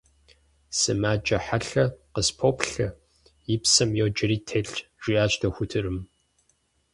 – Сымаджэ хьэлъэ къыспоплъэ: и псэм йоджэри телъщ, - жиӏащ дохутырым.